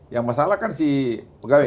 yang masalah kan si pegawai